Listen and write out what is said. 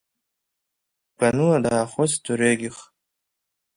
Гәаныла даахәыцт дырҩегьых.